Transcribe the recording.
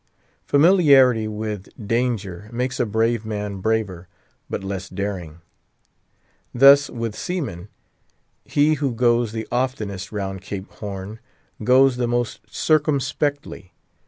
Familiarity with danger makes a brave man braver, but less daring. Thus with seamen: he who goes the oftenest round Cape Horn goes the most circumspectly.